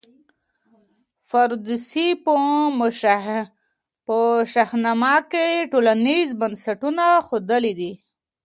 فردوسي په شاهنامه کي ټولنیز بنسټونه ښودلي دي.